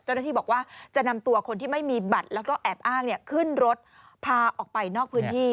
เจ้าหน้าที่บอกว่าจะนำตัวคนที่ไม่มีบัตรแล้วก็แอบอ้างขึ้นรถพาออกไปนอกพื้นที่